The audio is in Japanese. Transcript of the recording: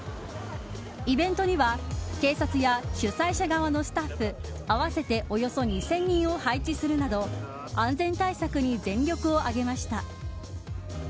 イベントには警察や主催者側のスタッフ合わせておよそ２０００人を配置するなど安全対策に全力を挙げました。